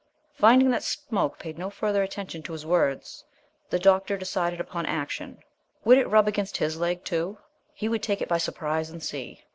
Finding that Smoke paid no further attention to his words, the doctor decided upon action. Would it rub against his leg, too? He would take it by surprise and see.